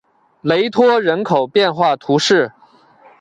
雷托人口变化图示